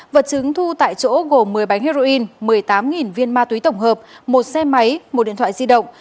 vật chứng thu tại chỗ gồm một mươi bánh heroin một mươi tám viên ma túy tổng hợp một xe máy một điện thoại di động